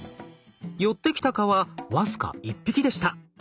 寄ってきた蚊は僅か１匹でした。